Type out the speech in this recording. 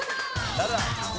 誰だ？